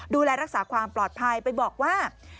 ดูแลรักษาความปลอดภัยไปบอกว่า